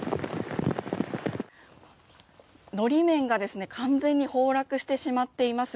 法面が完全に崩落してしまっています。